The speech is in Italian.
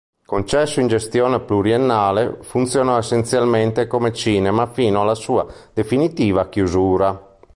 Concesso in gestione pluriennale, funzionò essenzialmente come cinema fino alla sua definitiva chiusura.